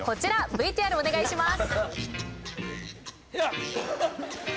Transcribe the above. ＶＴＲお願いします。